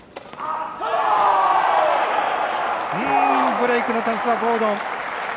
ブレークのチャンスはゴードン。